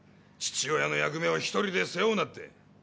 父親の役目を一人で背負うなって。